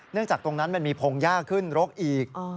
เนื่องจากตรงนั้นมันมีพงศ์ยากขึ้นรกอีก